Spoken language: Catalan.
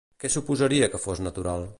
Què suposaria que fos natural?